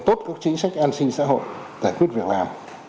để thực hiện tốt các chính sách an sinh xã hội giải quyết việc làm